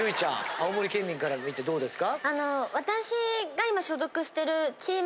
青森県民から見てどうですか？